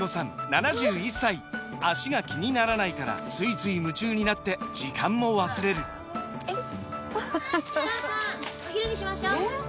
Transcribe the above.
７１歳脚が気にならないからついつい夢中になって時間も忘れるお母さんお昼にしましょうえー